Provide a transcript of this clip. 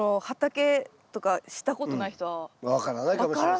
分からないかもしれませんね。